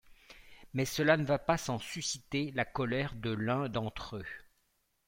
Mais cela ne va pas sans susciter la colère de l'un d'entre eux.